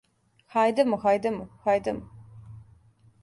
Хајдемо, хајдемо, хајдемо!